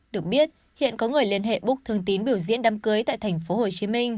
được biết hiện có người liên hệ búc thương tín biểu diễn đám cưới tại tp hcm